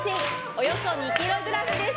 およそ２ｋｇです。